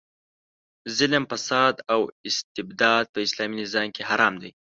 ظلم، فساد او استبداد په اسلامي نظام کې حرام دي.